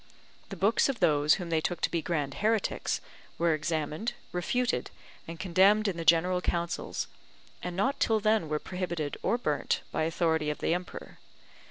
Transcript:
The books of those whom they took to be grand heretics were examined, refuted, and condemned in the general Councils; and not till then were prohibited, or burnt, by authority of the emperor.